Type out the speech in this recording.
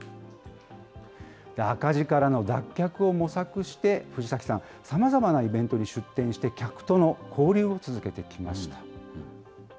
赤字からの脱却を模索して、藤崎さん、さまざまなイベントに出店して、客との交流を続けてきました。